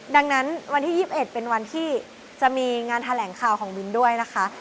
ดังนั้นวันที่๒๑เป็นวันที่จะมีงานแถลงข่าวของมิ้นด้วยนะคะ